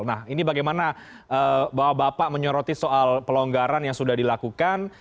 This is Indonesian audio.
nah ini bagaimana bapak menyoroti soal pelonggaran yang sudah dilakukan